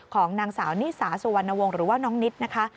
ของนางสาวนิสาสุวรรณวงศ์หรือว่าน้องนิดนะคะ